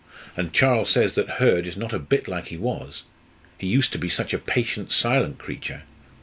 And Charles says that Hurd is not a bit like he was. He used to be such a patient, silent creature.